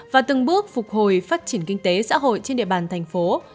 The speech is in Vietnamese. và từng bước phục hồi phát triển kinh tế xã hội trên địa bàn thành phố